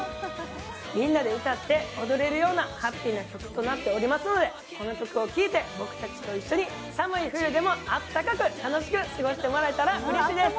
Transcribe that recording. みんなで歌って踊れるようなハッピーな曲となっていますので、この曲を聴いて僕たちと一緒に寒い冬でもあったかく過ごしてもらえたらうれしいです。